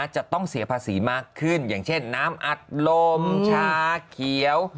จะต้องเสียภาษีมากขึ้นอย่างเช่นน้ำอัดลมชาเขียว